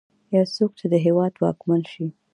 يو څوک چې د هېواد واکمن شي.